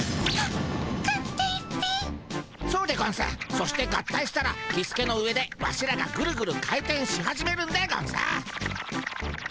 そして合体したらキスケの上でワシらがグルグル回転し始めるんでゴンス。